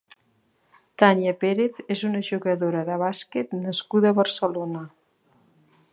Tania Pérez és una jugadora de bàsquet nascuda a Barcelona.